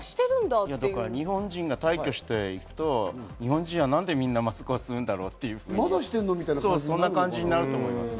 日本人が退去していくと日本人はなぜみんなマスクをするんだろうと、そんな感じになると思いますよ。